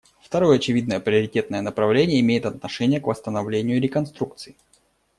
Второе очевидное приоритетное направление имеет отношение к восстановлению и реконструкции.